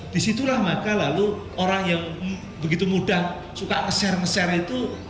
disitulah maka lalu orang yang begitu mudah suka share nge share itu